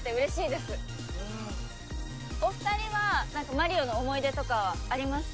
お二人は何か『マリオ』の思い出とかはありますか？